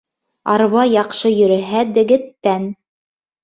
Арба яҡшы йөрөһә дегеттән